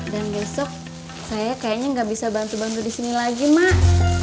dan besok saya kayaknya gak bisa bantu bantu disini lagi mak